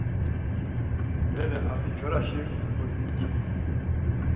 Bere apiçoraşi kodincinu.